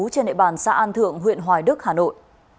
trên địa bàn xã an thượng huyện hoài đức hà nội